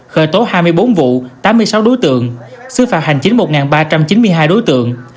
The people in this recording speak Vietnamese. khởi tố hai mươi bốn vụ tám mươi sáu đối tượng xứ phạt hành chính một ba trăm chín mươi hai đối tượng